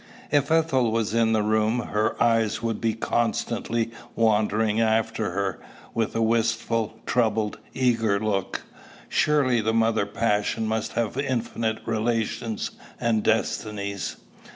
If Ethel was in the room, her eyes would be constantly wandering after her, with a wistful, troubled, eager look. Surely, the mother passion must have infinite relations and destinies.